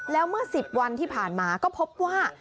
แล้วเมื่อ๑๐วันที่ผ่านมาก็พบว่า